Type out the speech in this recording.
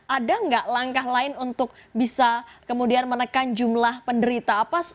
ada nggak langkah lain untuk bisa kemudian menekan jumlah penderita